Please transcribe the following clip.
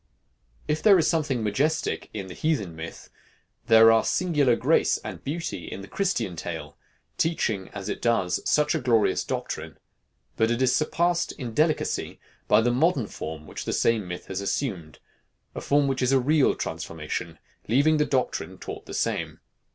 If there is something majestic in the heathen myth, there are singular grace and beauty in the Christian tale, teaching, as it does, such a glorious doctrine; but it is surpassed in delicacy by the modern form which the same myth has assumed a form which is a real transformation, leaving the doctrine taught the same.